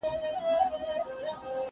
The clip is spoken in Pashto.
نقادان يې تحليل کوي تل,